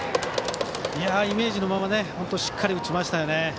イメージのまましっかり打ちました。